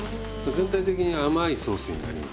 全体的に甘いソースになります。